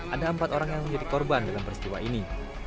ada empat orang yang menjadi korban dalam peristiwa ini